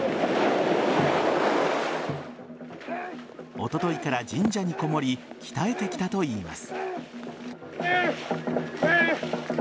おとといから神社にこもり鍛えてきたといいます。